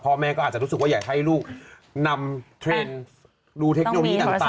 พ่อแม่ก็อาจจะรู้สึกว่าอยากให้ลูกนำเทรนด์ดูเทคโนโลยีต่าง